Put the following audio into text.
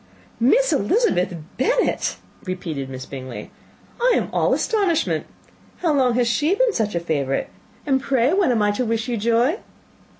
"Miss Elizabeth Bennet!" repeated Miss Bingley. "I am all astonishment. How long has she been such a favourite? and pray when am I to wish you joy?"